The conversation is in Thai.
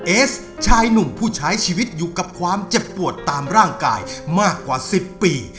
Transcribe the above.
เอสชายหนุ่มผู้ใช้ชีวิตอยู่กับความเจ็บปวดตามร่างกายมากกว่า๑๐ปี